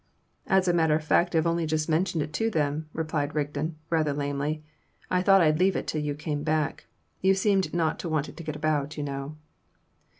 "As a matter of fact I've only just mentioned it to them," replied Rigden, rather lamely. "I thought I'd leave it till you came back. You seemed not to want it to get about, you know."